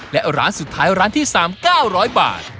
และร้านสุดท้ายร้านที่สามเก้าร้อยบาท